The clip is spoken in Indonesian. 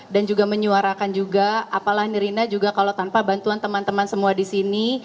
dan juga menyuarakan juga apalah nirina juga kalau tanpa bantuan teman teman semua di sini